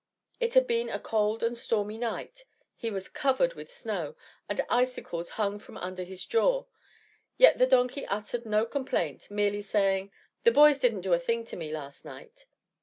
It had been a cold and stormy night; he was covered with snow, and icicles hung from his under jaw. Yet the donkey uttered no complaint, merely saying, "The boys didn't do a thing to me last night."